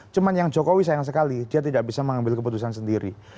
cuma yang jokowi sayang sekali dia tidak bisa mengambil keputusan sendiri